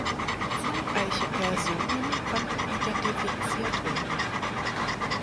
Zahlreiche Personen konnten identifiziert werden.